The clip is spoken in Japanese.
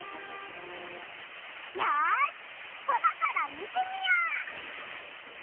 よし空から見てみよう！